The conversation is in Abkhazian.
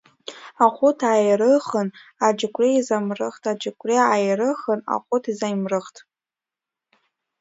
Аҟәыд ааирыхын, аџьықәреи изаамрыхт, аџьықәреи ааирыхын, аҟәыд изаамрыхт.